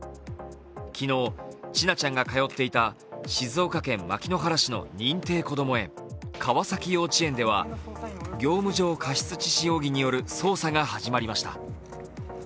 昨日、千奈ちゃんが通っていた静岡県牧之原市の認定こども園、川崎幼稚園では業務上過失致死容疑による捜査が始まりました。